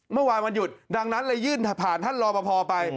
วันหยุดดังนั้นเลยยื่นผ่านท่านรอปภไป